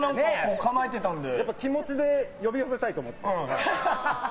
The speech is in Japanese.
気持ちで呼び寄せたいと思って。